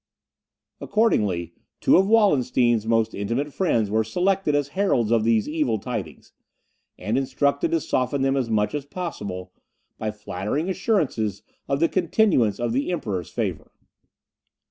Accordingly, two of Wallenstein's most intimate friends were selected as heralds of these evil tidings, and instructed to soften them as much as possible, by flattering assurances of the continuance of the Emperor's favour.